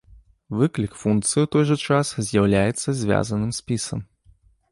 Выклік функцыі у той жа час з'яўляецца звязаным спісам.